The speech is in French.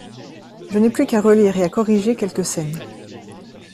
Je n’ai plus qu’à relire et à corriger quelques scènes.